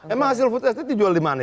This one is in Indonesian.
emang hasil food estate dijual dimana